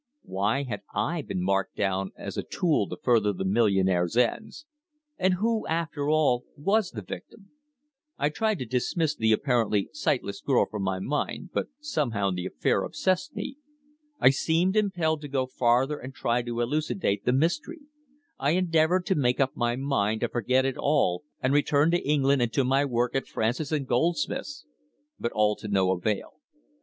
Why had I been marked down as a tool to further the millionaire's ends? And who, after all, was the victim? I tried to dismiss the apparently sightless girl from my mind, but somehow the affair obsessed me. I seemed impelled to go farther and try to elucidate the mystery. I endeavoured to make up my mind to forget it all and return to England and to my work at Francis and Goldsmith's but all to no avail.